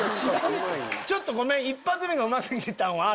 ちょっとごめん一発目がうま過ぎたんはある。